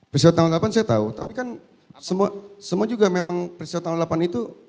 peristiwa tanggal delapan saya tahu tapi kan semua juga memang peristiwa tanggal delapan itu